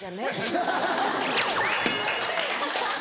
アハハハハ。